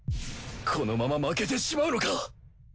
このまま負けてしまうのか！？